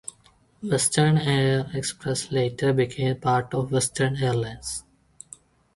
Western Air Express later became part of Western Airlines.